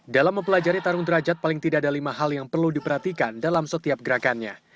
dalam mempelajari tarung derajat paling tidak ada lima hal yang perlu diperhatikan dalam setiap gerakannya